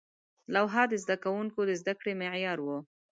لوحه د زده کوونکو د زده کړې معیار و.